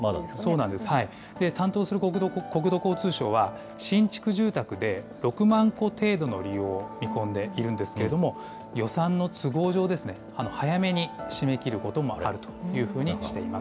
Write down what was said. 担当する国土交通省は、新築住宅で、６万戸程度の利用を見込んでいるんですけれども、予算の都合上、早めに締め切ることもあるというふうにしています。